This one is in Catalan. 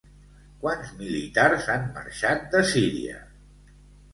Quants militars han marxat de Síria?